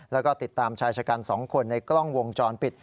แล้วก็ติดตามชายชะกัน๒คนในกล้องวงจรปิด